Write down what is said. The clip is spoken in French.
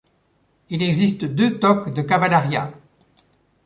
Il existe deux toques de Cavalaria.